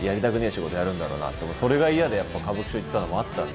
仕事やるんだろうなってそれが嫌でやっぱ歌舞伎町行ったのもあったんで。